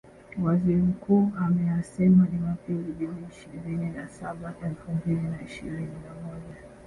Waziri Mkuu ameyasema Jumapili Juni ishirini na saba elfu mbili na ishirini na moja